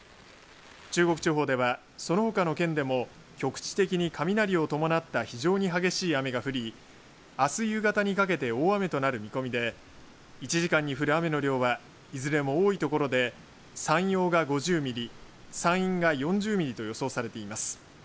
中国地方では、そのほかの県でも局地的に雷を伴った非常に激しい雨が降りあす夕方にかけて大雨となる見込みで１時間に降る雨の量はいずれも多い所で山陽が５０ミリ山陰が４０ミリと予想されています。